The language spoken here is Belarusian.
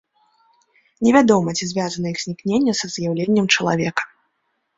Не вядома, ці звязана іх знікненне са з'яўленнем чалавека.